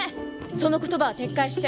その言葉は撤回して。